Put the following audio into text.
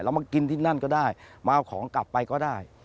มากินที่นั่นก็ได้มาเอาของกลับไปก็ได้